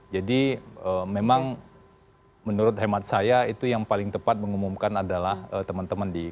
jadi memang menurut hemat saya itu yang paling tepat mengumumkan adalah teman teman di kpk